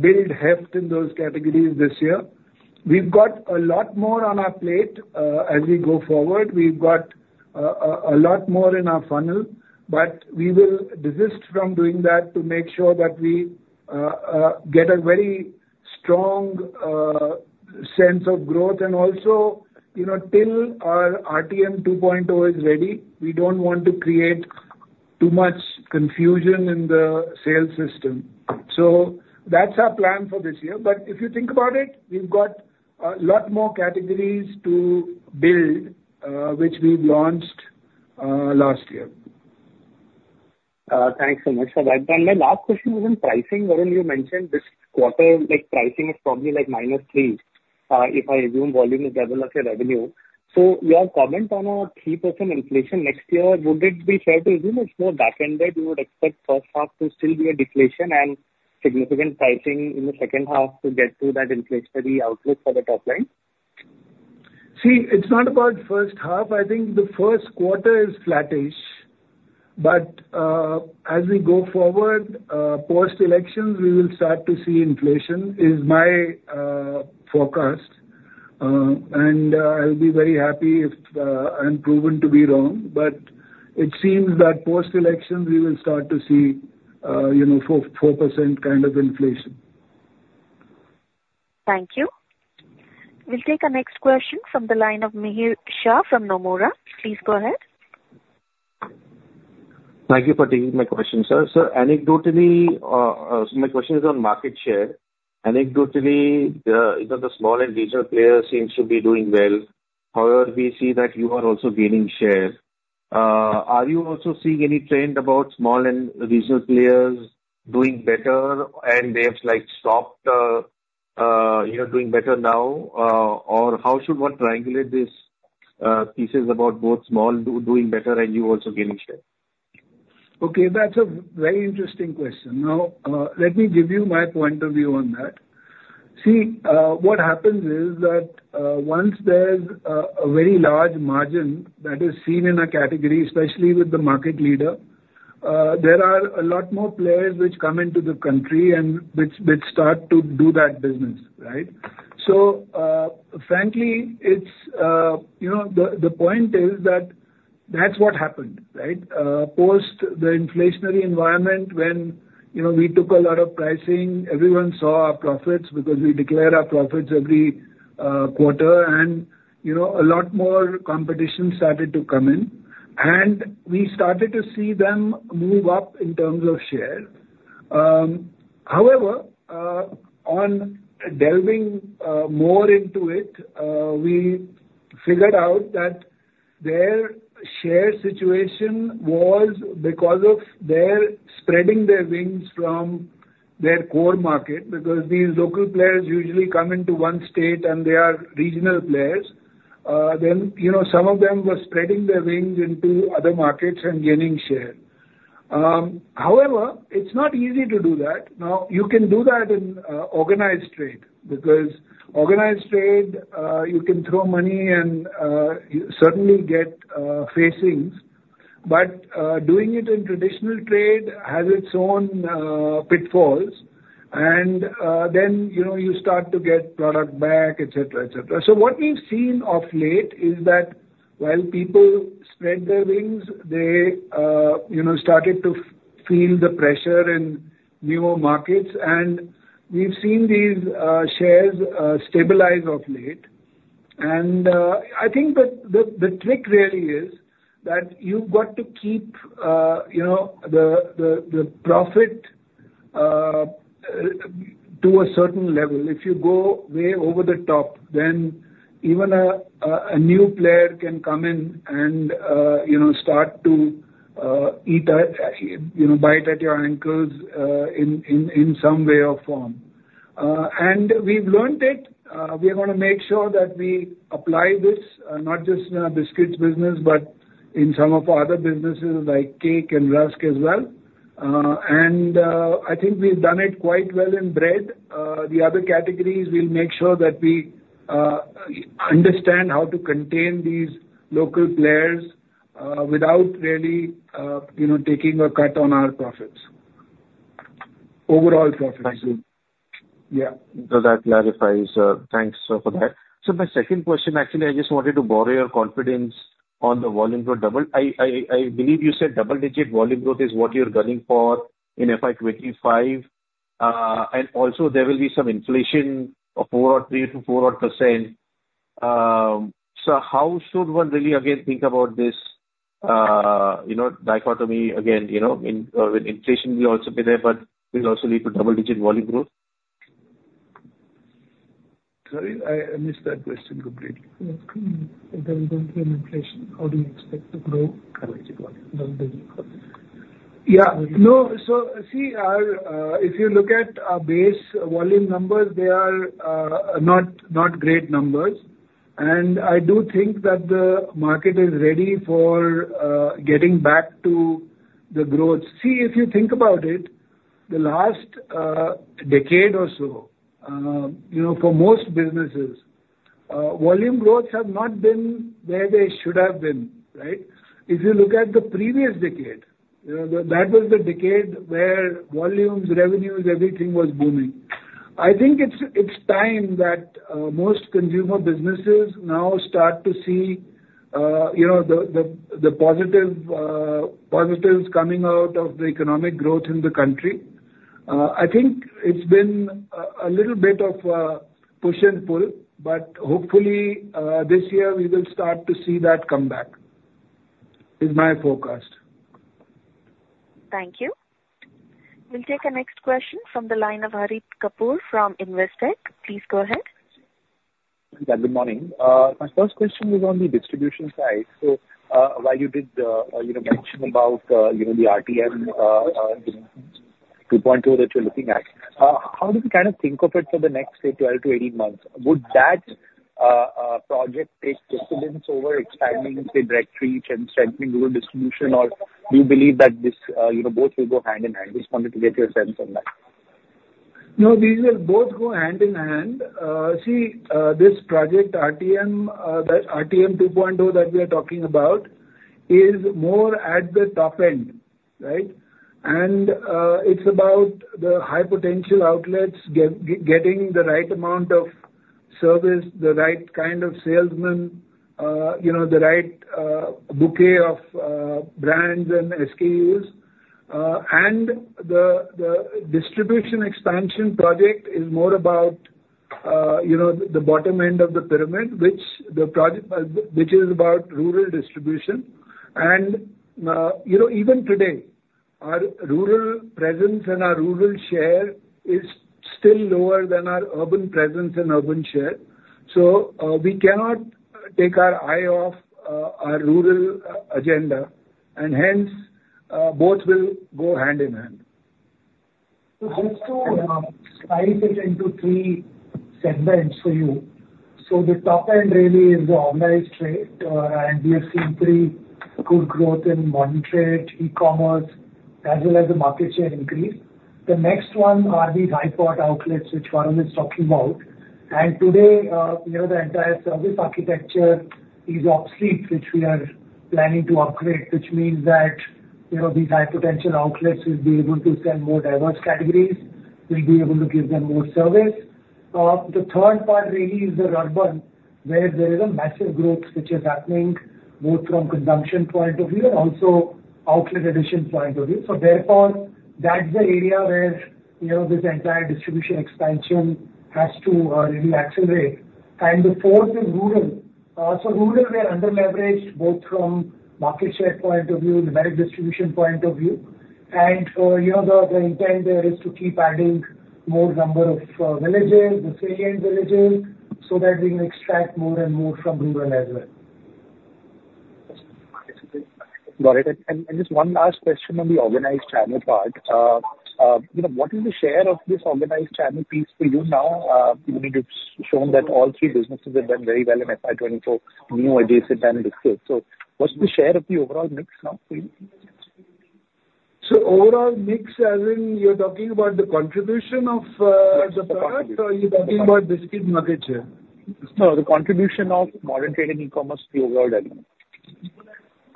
build heft in those categories this year. We've got a lot more on our plate as we go forward. We've got a lot more in our funnel, but we will desist from doing that to make sure that we get a very strong sense of growth. And also, you know, till our RTM 2.0 is ready, we don't want to create too much confusion in the sales system. So that's our plan for this year. But if you think about it, we've got a lot more categories to build, which we've launched last year. Thanks so much, sir. My last question is on pricing. Varun, you mentioned this quarter, like, pricing is probably like -3%, if I assume volume is level of your revenue. Your comment on a 3% inflation next year, would it be fair to assume it's more back-ended, you would expect first half to still be a deflation and significant pricing in the second half to get to that inflationary outlook for the top line? See, it's not about first half. I think the first quarter is flattish, but as we go forward, post-election, we will start to see inflation is my forecast. And I'll be very happy if I'm proven to be wrong. But it seems that post-election, we will start to see, you know, 4, 4% kind of inflation. Thank you. We'll take our next question from the line of Mihir Shah from Nomura. Please go ahead. Thank you for taking my question, sir. So anecdotally, so my question is on market share. Anecdotally, you know, the small and regional players seems to be doing well. However, we see that you are also gaining share. Are you also seeing any trend about small and regional players doing better, and they have, like, you know, doing better now? Or how should one triangulate these, pieces about both small doing better and you also gaining share? Okay, that's a very interesting question. Now, let me give you my point of view on that. See, what happens is that, once there's a very large margin that is seen in a category, especially with the market leader, there are a lot more players which come into the country and which start to do that business, right? So, frankly, it's, you know, the point is that that's what happened, right? Post the inflationary environment when, you know, we took a lot of pricing, everyone saw our profits because we declare our profits every, quarter. And, you know, a lot more competition started to come in, and we started to see them move up in terms of share. However, on delving more into it, we figured out that their share situation was because of their spreading their wings from their core market. Because these local players usually come into one state, and they are regional players. Then, you know, some of them were spreading their wings into other markets and gaining share. However, it's not easy to do that. Now, you can do that in organized trade, because organized trade, you can throw money and, you certainly get facings. But, doing it in traditional trade has its own pitfalls. And then, you know, you start to get product back, et cetera, et cetera. So what we've seen of late is that while people spread their wings, they, you know, started to feel the pressure in newer markets. We've seen these shares stabilize of late. I think that the trick really is that you've got to keep, you know, the profit to a certain level. If you go way over the top, then even a new player can come in and, you know, start to eat at, you know, bite at your ankles, in some way or form. And we've learned it. We're gonna make sure that we apply this, not just in our biscuits business, but in some of our other businesses, like cake and rusk as well. And I think we've done it quite well in bread. The other categories, we'll make sure that we understand how to contain these local players, without really, you know, taking a cut on our profits. Overall profits. Thank you. Yeah. So that clarifies, thanks, sir, for that. So my second question, actually, I just wanted to borrow your confidence on the volume growth double. I believe you said double-digit volume growth is what you're gunning for in FY 2025. And also there will be some inflation of 3%-4% odd. So how should one really again think about this, you know, dichotomy again, you know, in, with inflation will also be there, but will also lead to double-digit volume growth? Sorry, I missed that question completely. Yes. With ongoing inflation, how do you expect to grow in volume? Yeah. No. So see, if you look at our base volume numbers, they are not great numbers. And I do think that the market is ready for getting back to the growth. See, if you think about it, the last decade or so, you know, for most businesses, volume growths have not been where they should have been, right? If you look at the previous decade, you know, that was the decade where volumes, revenues, everything was booming. I think it's time that most consumer businesses now start to see, you know, the positive positives coming out of the economic growth in the country. I think it's been a little bit of push and pull, but hopefully, this year we will start to see that come back, is my forecast. ... Thank you. We'll take our next question from the line of Harit Kapoor from Investec. Please go ahead. Yeah, good morning. My first question is on the distribution side. So, while you did you know mention about you know the RTM 2.0 that you're looking at, how do you kind of think of it for the next, say, 12-18 months? Would that project take precedence over expanding, say, direct reach and strengthening rural distribution? Or do you believe that this you know both will go hand in hand? Just wanted to get your sense on that. No, these will both go hand in hand. See, this project, RTM, that RTM 2.0 that we are talking about, is more at the top end, right? And, it's about the high potential outlets getting the right amount of service, the right kind of salesmen, you know, the right bouquet of brands and SKUs. And the distribution expansion project is more about, you know, the bottom end of the pyramid, which is about rural distribution. And, you know, even today, our rural presence and our rural share is still lower than our urban presence and urban share. So, we cannot take our eye off our rural agenda, and hence, both will go hand in hand. So just to slice it into three segments for you. So the top end really is the organized trade, and we have seen pretty good growth in modern trade, e-commerce, as well as the market share increase. The next one are these high-pot outlets, which Varun is talking about. And today, you know, the entire service architecture is obsolete, which we are planning to upgrade, which means that, you know, these high-potential outlets will be able to sell more diverse categories. We'll be able to give them more service. The third part really is the urban, where there is a massive growth which is happening both from consumption point of view and also outlet addition point of view. So therefore, that's the area where, you know, this entire distribution expansion has to really accelerate. And the fourth is rural. So rural, we are under-leveraged both from market share point of view, the direct distribution point of view. And, you know, the intent there is to keep adding more number of villages, the salient villages, so that we can extract more and more from rural as well. Got it. And just one last question on the organized channel part. You know, what is the share of this organized channel piece for you now? You know, it's shown that all three businesses have done very well in FY 2024, new, adjacent and biscuit. So what's the share of the overall mix now for you? So overall mix, as in you're talking about the contribution of, the product- Yes, the contribution. Or you're talking about biscuit market share? No, the contribution of modern trade and e-commerce to your overall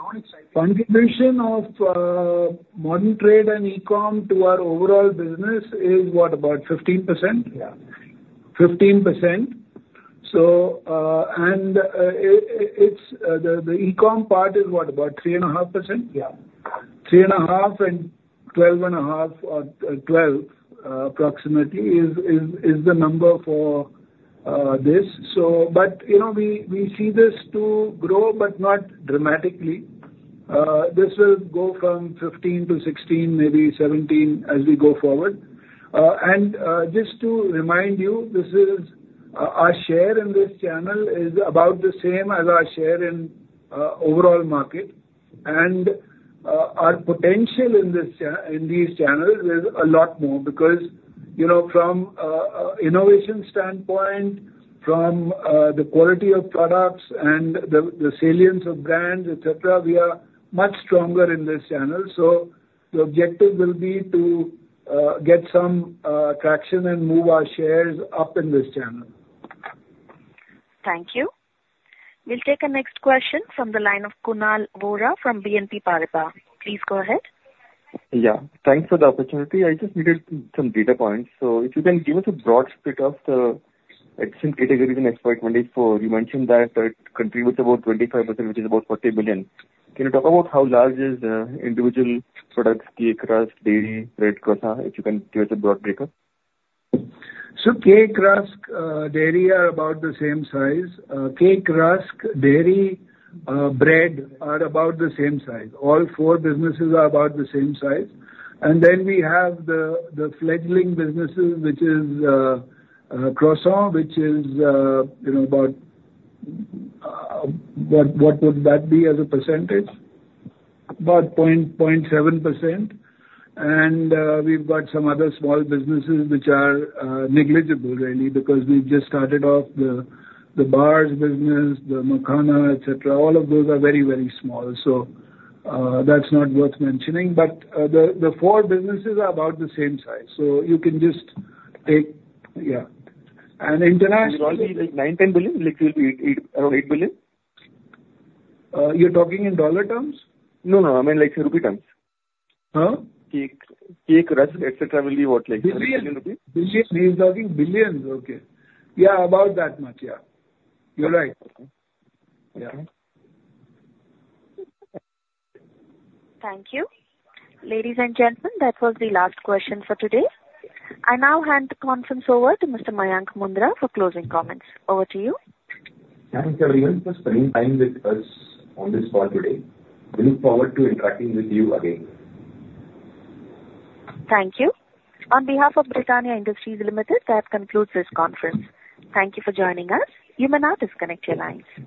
revenue. Contribution of modern trade and e-com to our overall business is what? About 15%? Yeah. 15%. So, it's the e-com part is what? About 3.5%? Yeah. 3.5 and 12.5, or 12 approximately, is the number for this. So but, you know, we see this to grow, but not dramatically. This will go from 15 to 16, maybe 17, as we go forward. And just to remind you, this is our share in this channel is about the same as our share in overall market. And our potential in this—in these channels is a lot more, because, you know, from innovation standpoint, from the quality of products and the salience of brands, et cetera, we are much stronger in this channel. So the objective will be to get some traction and move our shares up in this channel. Thank you. We'll take our next question from the line of Kunal Vora from BNP Paribas. Please go ahead. Yeah, thanks for the opportunity. I just needed some data points. So if you can give us a broad split of the existing categories in FY 2024. You mentioned that it contributes about 25%, which is about 40 billion. Can you talk about how large is individual products, cake, rusk, dairy, bread, croissant, if you can give us a broad breakdown? So cake, rusk, dairy are about the same size. Cake, rusk, dairy, bread, are about the same size. All four businesses are about the same size. And then we have the fledgling businesses, which is croissant, which is, you know, about, what would that be as a percentage? About 0.7%. And we've got some other small businesses which are negligible really, because we've just started off the bars business, the makhana, et cetera. All of those are very, very small, so that's not worth mentioning. But the four businesses are about the same size. So you can just take... Yeah. And international- Will it be like 9 billion-10 billion? Like it will be 8 billion, around 8 billion? You're talking in dollar terms? No, no, I mean, like, rupee terms. Huh? Cake, cake, rusk, et cetera, will be what, like- Billions. Million rupees? Billions. He's talking billions. Okay. Yeah, about that much. Yeah. You're right. Okay. Yeah. Thank you. Ladies and gentlemen, that was the last question for today. I now hand the conference over to Mr. Mayank Mundra for closing comments. Over to you. Thanks, everyone, for spending time with us on this call today. We look forward to interacting with you again. Thank you. On behalf of Britannia Industries Limited, that concludes this conference. Thank you for joining us. You may now disconnect your lines.